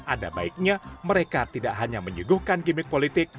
ada baiknya mereka tidak hanya menyuguhkan gimmick politik